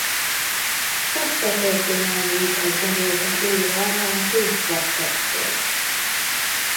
Ezt a történelmi italt gondolta újra a két Zwack testvér.